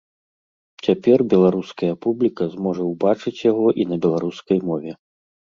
Цяпер беларуская публіка зможа ўбачыць яго і на беларускай мове.